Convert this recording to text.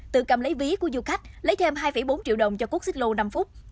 tự cầm lấy ví của du khách lấy thêm hai bốn triệu đồng cho cuốc xích lô năm phút